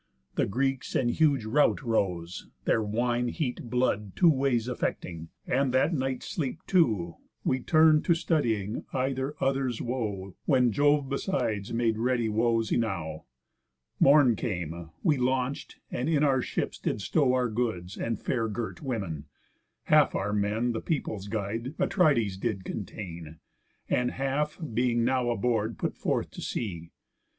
The Greeks in huge rout rose, their wine heat blood Two ways affecting. And, that night's sleep too, We turn'd to studying either other's woe; When Jove besides made ready woes enow. Morn came, we launch'd, and in our ships did stow Our goods, and fair girt women. Half our men The people's guide, Atrides, did contain, And half, being now aboard, put forth to sea.